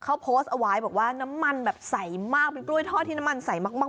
เขาโพสต์เอาไว้บอกว่าน้ำมันแบบใสมากเป็นกล้วยทอดที่น้ำมันใสมาก